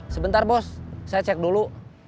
sebentar bos saya cek dulu